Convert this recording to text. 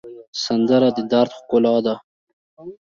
سندره د دَرد ښکلا ده